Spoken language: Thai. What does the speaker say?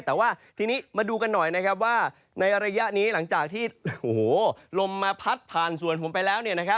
แต่ว่าทีนี้มาดูกันหน่อยว่าในระยะนี้หลังจากที่ลมมาพัดผ่านส่วนผมไปแล้ว